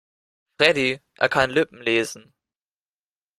Freddie, er kann Lippen lesen.